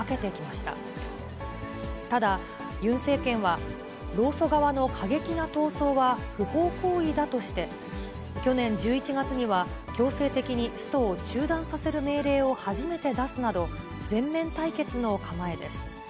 ただ、ユン政権は、労組側の過激な闘争は不法行為だとして、去年１１月には、強制的にストを中断させる命令を初めて出すなど、全面対決の構えです。